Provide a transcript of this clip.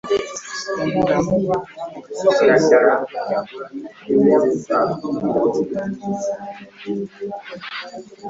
Kabalagala edda bwe twali tusoma yatuwoomeranga nnyo.